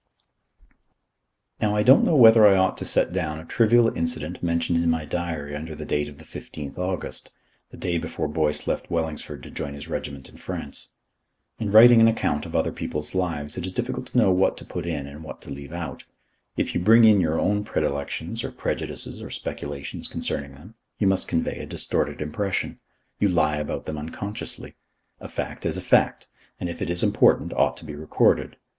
Now I don't know whether I ought to set down a trivial incident mentioned in my diary under the date of the 15th August, the day before Boyce left Wellingsford to join his regiment in France. In writing an account of other people's lives it is difficult to know what to put in and what to leave out. If you bring in your own predilections or prejudices or speculations concerning them, you must convey a distorted impression. You lie about them unconsciously. A fact is a fact, and, if it is important, ought to be recorded.